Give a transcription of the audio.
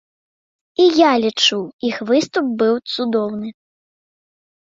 І я лічу, іх выступ быў цудоўны.